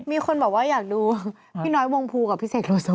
มีคนบอกว่าอยากดูพี่น้อยวงภูกับพี่เสกโลโซ